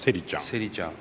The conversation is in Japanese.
セリちゃん。